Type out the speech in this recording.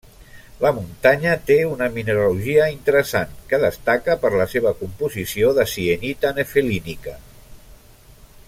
La muntanya té una mineralogia interessant, que destaca per la seva composició de sienita nefelínica.